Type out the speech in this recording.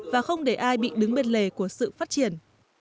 và không để ai bị đứng bên lề của sự phát triển